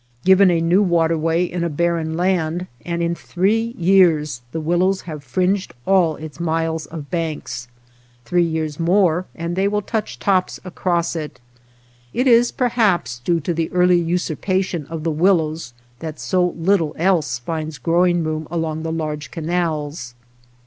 Given a new waterway in a barren land, and in three years the willows have fringed all its miles of banks ; three years more and they will touch tops across it. It is perhaps due to the early usurpation of the willows that so little else finds growing room along the large canals.